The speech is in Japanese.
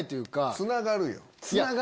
つながるよな。